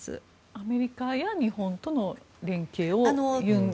アメリカや日本との連携を尹政権は。